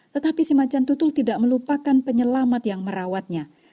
tetapi si macan tutul tidak melupakan penyelamat yang merawatnya